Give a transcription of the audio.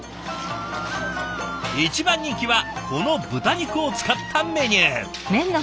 一番人気はこの豚肉を使ったメニュー。